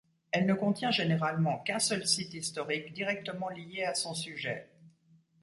Elle ne contient généralement qu'un seul site historique directement lié à son sujet.